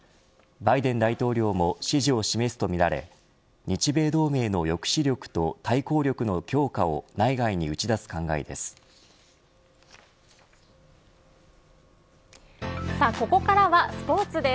バイデン大統領も支持を示すとみられ日米同盟の抑止力と対抗力の強化を内外に打ち出す考えです。